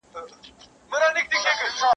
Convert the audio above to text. زه بايد منډه ووهم.